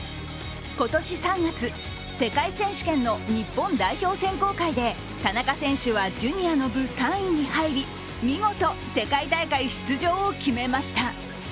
今年３月、世界選手権の日本代表選考会で田中選手はジュニアの部３位に入り見事、世界大会出場を決めました。